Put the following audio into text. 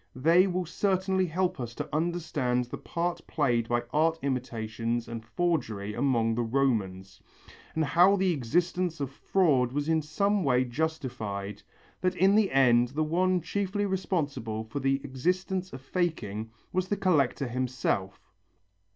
They will certainly help us to understand the part played by art imitations and forgery among the Romans, and how the existence of fraud was in some way justified, that in the end the one chiefly responsible for the existence of faking was the collector himself.